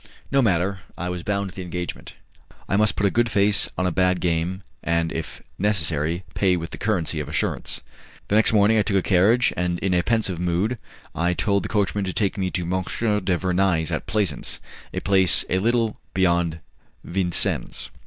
No matter, I was bound to the engagement. I must put a good face on a bad game, and if necessary pay with the currency of assurance. The next morning I took a carriage, and in a pensive mood I told the coachman to take me to M. du Vernai's, at Plaisance a place a little beyond Vincennes.